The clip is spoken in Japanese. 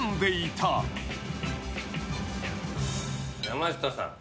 山下さん。